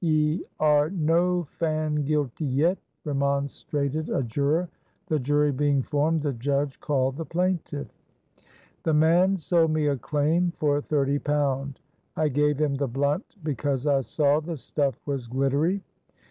Ye are no fand guilty yet," remonstrated a juror. The jury being formed, the judge called the plaintiff. "The man sold me a claim for thirty pound. I gave him the blunt because I saw the stuff was glittery.